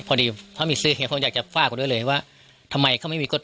พอดีเพราะมีสื่อเห็นผมอยากจะฝากกันด้วยเลยว่าทำไมเขาไม่มีกฎ